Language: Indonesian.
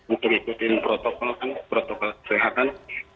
untuk ikutin protokol kan protokol kesehatan